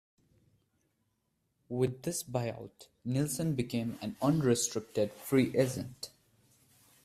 With this buyout, Nilsson became an unrestricted free agent.